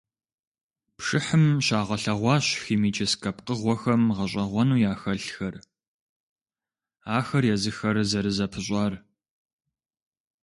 Пшыхьым щагъэлъэгъуащ химическэ пкъыгъуэхэм гъэщIэгъуэну яхэлъхэр, ахэр езыхэр зэрызэпыщIар.